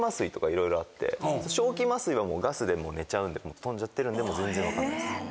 笑気麻酔はガスで寝ちゃうんで飛んじゃってるんで全然分かんないです。